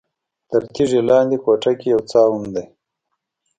تر تیږې لاندې کوټه کې یوه څاه هم ده.